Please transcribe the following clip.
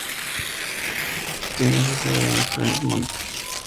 Tiene su sede en Fremont.